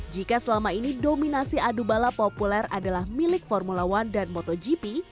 jika selama ini dominasi adu balap populer adalah milik formula one dan motogp